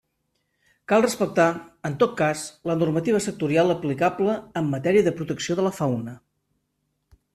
Cal respectar, en tot cas, la normativa sectorial aplicable en matèria de protecció de la fauna.